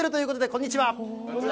こんにちは。